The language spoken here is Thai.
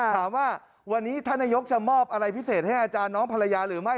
ถามว่าวันนี้ท่านนายกจะมอบอะไรพิเศษให้อาจารย์น้องภรรยาหรือไม่